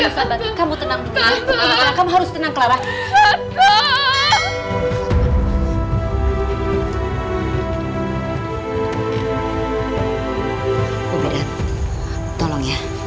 ibu beda tolong ya